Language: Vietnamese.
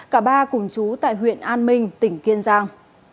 cả ba cùng chú tại huyện an minh tỉnh kiên giang